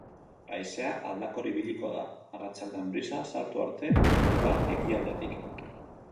Haizea aldakor ibiliko da, arratsaldean brisa sartu arte, ipar-ekialdetik.